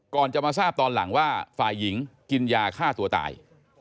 จะมาทราบตอนหลังว่าฝ่ายหญิงกินยาฆ่าตัวตาย